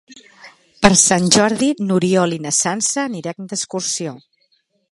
Per Sant Jordi n'Oriol i na Sança aniran d'excursió.